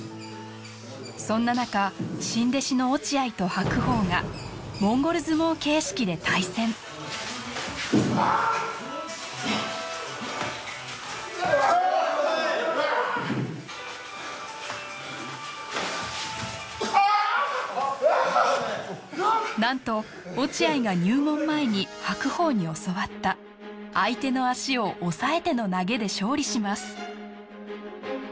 そんな中新弟子の落合と白鵬がモンゴル相撲形式で対戦ああっあっうわっああっうわ何と落合が入門前に白鵬に教わった相手の足をおさえての投げで勝利します